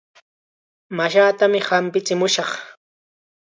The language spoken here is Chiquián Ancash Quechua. Mashaatam hampichimushaq.